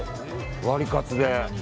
ワリカツで。